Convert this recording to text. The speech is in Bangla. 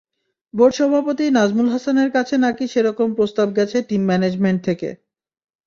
বোর্ড সভাপতি নাজমুল হাসানের কাছে নাকি সেরকম প্রস্তাব গেছে টিম ম্যানেজমেন্ট থেকে।